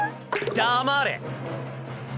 黙れ。